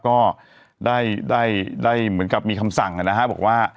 ก็ได้เหมือนกับมีคำสั่งนะฮะ